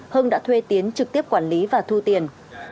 hưng đã thuê tiến trực tiếp quản lý và thu tiền